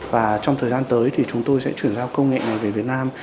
và trong thời gian tới thì chúng tôi sẽ chuyển giao công nghệ này về việt nam